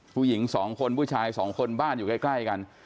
ผู้หญิง๒คนผู้ชายสองคนบ้านอยู่ใกล้กัน